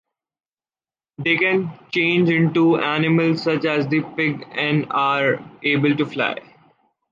They can change into animals such as the pig and are able to fly.